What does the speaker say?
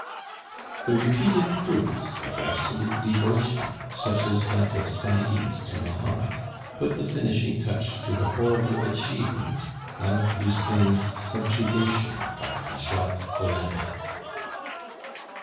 The repeated proofs of absolute devotion, such as that of Said to Mahomet, put the finishing touch to the horrible achievement of Lucien's subjugation by a Jacques Collin.